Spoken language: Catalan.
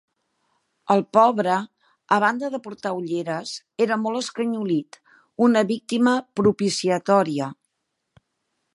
El pobre, a banda de portar ulleres, era molt escanyolit, una víctima propiciatòria.